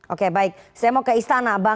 oke baik saya mau ke istana